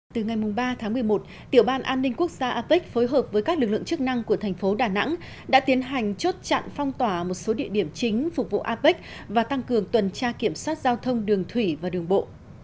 từ ngày ba tháng một mươi một tiểu ban an ninh quốc gia apec phối hợp với các lực lượng chức năng của thành phố đà nẵng đã tiến hành chốt chặn phong tỏa một số địa điểm chính phục vụ apec và tăng cường tuần tra kiểm soát giao thông đường thủy và đường bộ